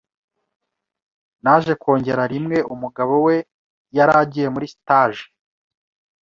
naje kongera rimwe umugabo we yaragiye muri stage